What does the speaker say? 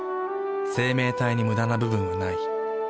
生命体にムダな部分はない。